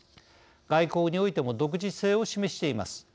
外交においても独自性を示しています。